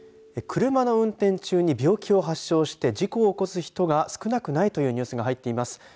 車の運転中に病気を発症して事故を起こす人が少なくないというニュースが入っています。